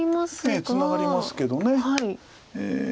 ええツナがりますけど。